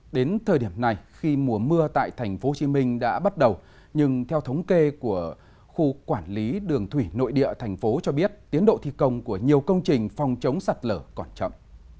đến thời điểm này khi mùa mưa tại tp hcm đã bắt đầu nhưng theo thống kê của khu quản lý đường thủy nội địa thành phố cho biết tiến độ thi công của nhiều công trình phòng chống sạt lở còn chậm